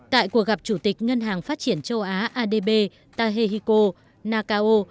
tại cuộc gặp chủ tịch ngân hàng phát triển châu á adb tahexico nakao